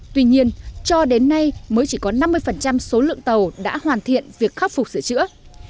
tuy nhiên cho đến nay mới chỉ có năm mươi số lượng tàu đã hoàn thiện việc khắc phục sửa chữa